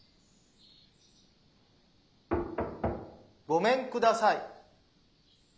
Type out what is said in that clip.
・ごめんください。